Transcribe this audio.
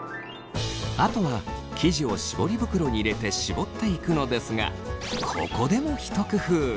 あとは生地を絞り袋に入れて絞っていくのですがここでもひと工夫。